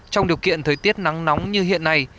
trong điều kiện thời tiết nắng nóng như hiện nay